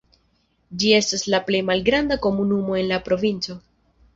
Ĝi estas la plej malgranda komunumo en la provinco.